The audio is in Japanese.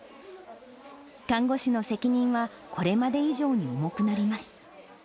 看護師の責任はこれまで以上に重くなります。